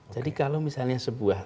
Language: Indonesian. jadi kalau misalnya sebuah